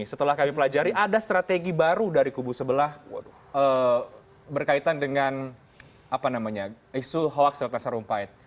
setelah kami pelajari ada strategi baru dari kubu sebelah berkaitan dengan apa namanya isu hoaks rata sarumpait